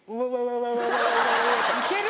いける？